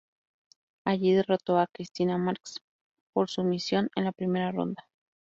Allí derrotó a Christina Marks por sumisión en la primera ronda.